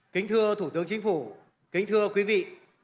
kính thưa thủ tướng chính phủ kính thưa quý vị